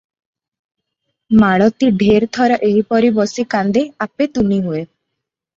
ମାଳତୀ ଢେର ଥର ଏହିପରି ବସି କାନ୍ଦେ, ଆପେ ତୁନି ହୁଏ ।